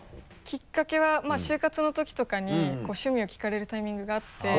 きっかけは就活のときとかに趣味を聞かれるタイミングがあって。